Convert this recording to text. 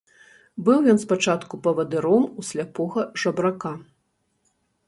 Быў ён спачатку павадыром у сляпога жабрака.